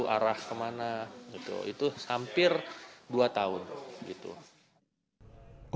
arah kemana itu hampir dua tahun